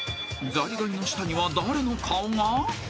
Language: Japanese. ［ザリガニの下には誰の顔が？］